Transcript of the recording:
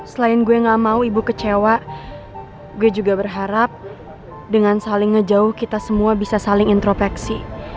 selain gue gak mau ibu kecewa gue juga berharap dengan saling ngejauh kita semua bisa saling intropeksi